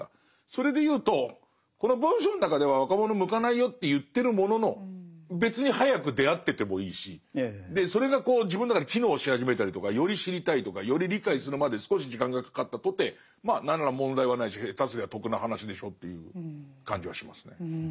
それで言うとこの文章の中では若者に向かないよって言ってるものの別に早く出会っててもいいしそれが自分の中で機能し始めたりとかより知りたいとかより理解するまで少し時間がかかったとてまあ何ら問題はないし下手すりゃ得な話でしょという感じはしますね。